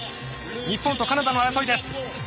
日本とカナダの争いです。